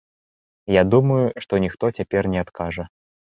Я думаю, што ніхто цяпер не адкажа.